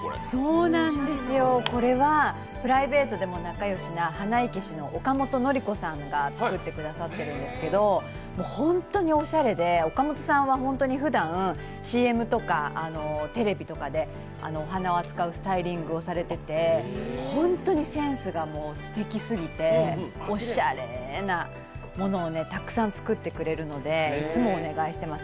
これはプライベートでも仲よしな花生師の岡本典子さんが作ってくださるんですけど本当におしゃれで岡本さんはふだん、ＣＭとかテレビとかでお花を扱うスタイリングをされてて本当にセンスがすてきすぎておしゃれなものをたくさん作ってくれるのでいつもお願いしています。